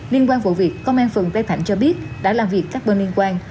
liên quan vụ việc công an phường pê thạnh cho biết đã làm việc các bên liên quan